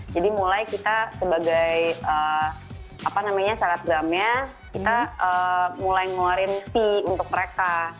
jadi mulai kita sebagai apa namanya salah satu gamenya kita mulai ngeluarin fee untuk mereka